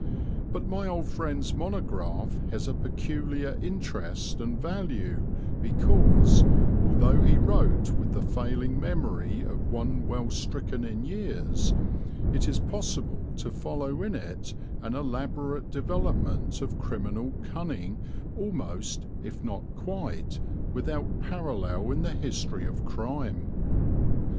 But my old friend's monograph has a peculiar interest and value because, although he wrote with the failing memory of one well stricken in years, it is possible to follow in it an elaborate development of criminal cunning almost, if not quite, without parallel in the history of crime.